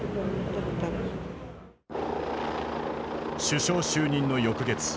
首相就任の翌月。